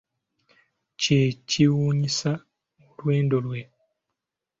Kye kiwunyisa olwendo lwe.